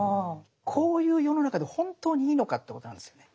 こういう世の中で本当にいいのかってことなんですよね。